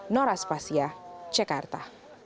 noras pasya jakarta